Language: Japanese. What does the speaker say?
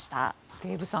デーブさん